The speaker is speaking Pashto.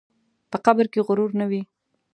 په قبر کې غرور نه وي.